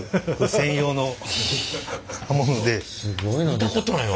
見たことないわ。